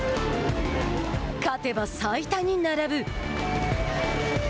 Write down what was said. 勝てば最多に並ぶ。